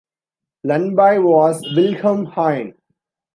Lundbye, was Vilhelm Kyhn.